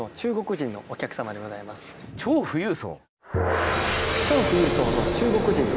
超富裕層！